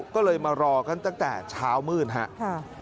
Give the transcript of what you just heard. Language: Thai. ก็เลยมารอกันตั้งแต่เช้ามืดครับ